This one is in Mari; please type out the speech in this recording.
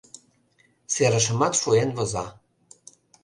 Серышымат шуэн воза.